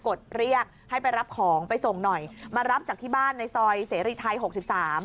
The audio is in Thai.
ดเรียกให้ไปรับของไปส่งหน่อยมารับจากที่บ้านในซอยเสรีไทยหกสิบสาม